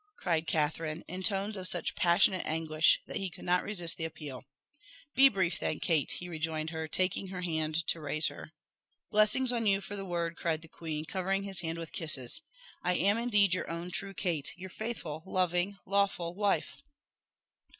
cried Catherine, in tones of such passionate anguish that he could not resist the appeal. "Be brief, then, Kate," he rejoined, taking her hand to raise her. "Blessings on you for the word!" cried the queen, covering his hand with kisses. "I am indeed your own true Kate your faithful, loving, lawful wife!"